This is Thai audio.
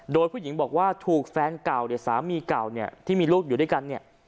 โดยผู้หญิงบอกว่าถูกแฟนเก่าเนี่ยสามีเก่าเนี่ยที่มีลูกอยู่ด้วยกันเนี่ย